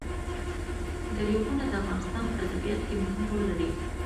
دریابونه د افغانستان په طبیعت کې مهم رول لري.